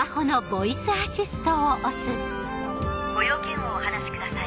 ご用件をお話しください。